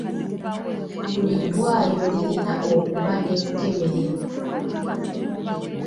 Buli ddwaliro lirina okuba n'ekkeberero.